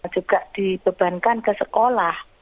juga dibebankan ke sekolah